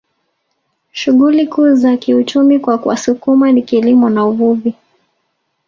Shughuli kuu za kiuchumi kwa Wasukuma ni kilimo na uvuvi